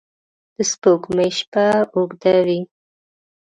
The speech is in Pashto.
د سپوږمۍ شپه اوږده وي